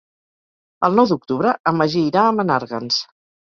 El nou d'octubre en Magí irà a Menàrguens.